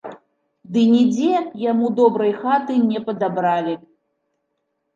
Ды нідзе яму добрай хаты не падабралі.